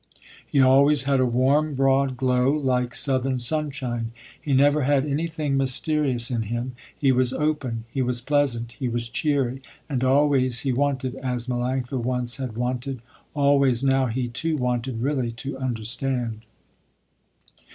He always had a warm broad glow, like southern sunshine. He never had anything mysterious in him. He was open, he was pleasant, he was cheery, and always he wanted, as Melanctha once had wanted, always now he too wanted really to understand.